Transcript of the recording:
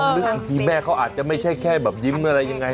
มีแม่เขาอาจจะไม่ใช่แค่ยิ้มกับเรอะ